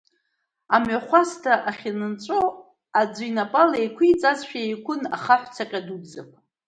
Амҩахәасҭа ахьаанҵәо, аӡәы инапала еиқәиҵазшәа, еиқәын ахаҳә-цаҟьа дуӡӡақәа.